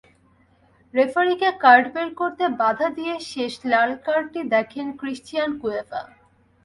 রেফারিকে কার্ড বের করতে বাধা দিয়ে শেষ লাল কার্ডটি দেখেন ক্রিস্টিয়ান কুয়েভা।